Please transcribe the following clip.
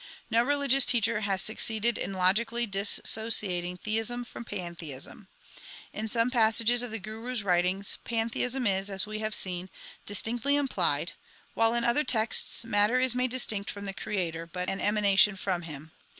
No religious teacher has succeeded in logically dissociating theism from pantheism. In some passages of the Guru s writings pantheism is, as we have seen, distinctly implied, while in other texts matter is made distinct from the Creator, but an emanation from Him.